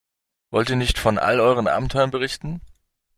Wollt ihr nicht von all euren Abenteuern berichten?